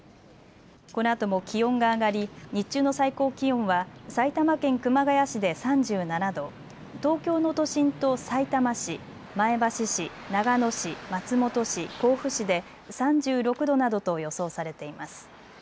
このあとも気温が上がり日中の最高気温は埼玉県熊谷市で３７度、東京の都心とさいたま市、前橋市、長野市、松本市、甲府市で３６度などと予想されています。